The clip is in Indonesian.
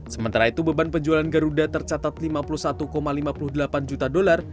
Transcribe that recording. sementara itu beban penjualan garuda tercatat lima puluh satu lima puluh delapan juta dolar